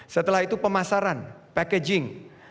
setelah itu pemasaran packaging